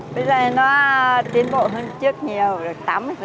bây giờ nó tiến bộ hơn trước nhiều được tám mươi rồi